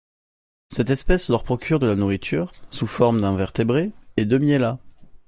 Cette espèce leur procure de la nourriture, sous forme d'invertébrés, et de miellat.